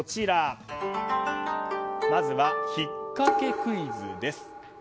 まずはひっかけクイズです。